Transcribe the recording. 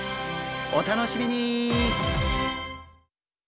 お楽しみに！